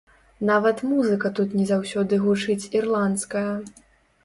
Нават музыка тут не заўсёды гучыць ірландская.